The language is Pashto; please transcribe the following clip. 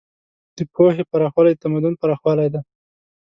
د پوهې پراخوالی د تمدن پراخوالی دی.